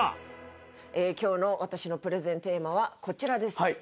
今日の私のプレゼンテーマはこちらです。